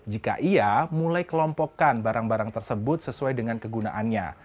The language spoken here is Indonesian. jika ia mulai kelompokkan barang barang tersebut sesuai dengan kegunaannya